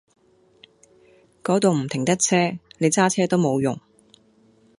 嗰度唔停得車，你揸車都冇用